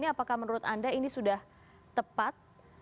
apakah menurut anda ini sudah tepat